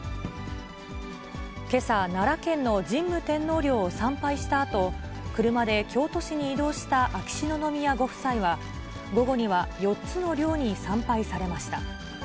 けさ、奈良県の神武天皇陵を参拝したあと、車で京都市に移動した秋篠宮ご夫妻は、午後には、４つの陵に参拝されました。